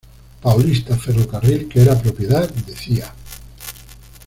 Paulista ferrocarril, que era propiedad de Cía.